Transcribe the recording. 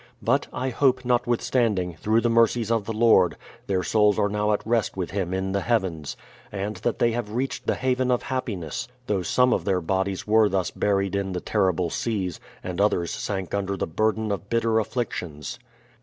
But, I hope, notwithstanding, through the mercies of the Lord, their souls are now at rest with Him in the heavens, and that they have reached the haven of happiness ; though some of their THE PLYMOUTH SETTLEMENT S3 bodies were thus buried in the terrible seas, and others sank under the burden of bitter afflictions.